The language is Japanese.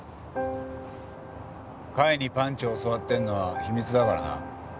甲斐にパンチを教わってるのは秘密だからな。